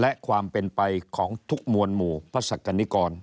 และความเป็นไปของทุกมวลหมู่พระศักดิกร